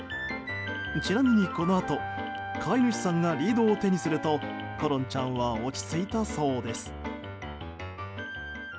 ちなみに、このあと飼い主さんがリードを手にするとコロンちゃんは落ち着いたそうです。